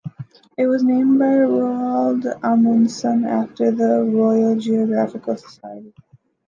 It was named by Roald Amundsen after the Royal Geographical Society.